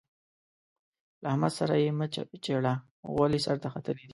له احمد سره يې مه چېړه؛ غول يې سر ته ختلي دي.